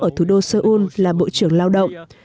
ở thủ đô seoul là bộ trưởng lao động